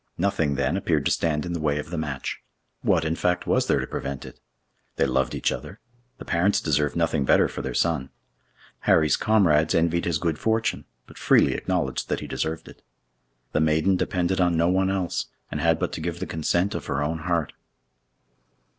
Nothing, then, appeared to stand in the way of the match. What, in fact, was there to prevent it? They loved each other; the parents desired nothing better for their son. Harry's comrades envied his good fortune, but freely acknowledged that he deserved it. The maiden depended on no one else, and had but to give the consent of her own heart.